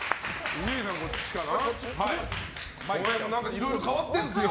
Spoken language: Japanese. いろいろ変わってるんですよ。